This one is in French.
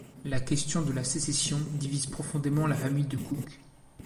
La question de la sécession divise profondément la famille de Cooke.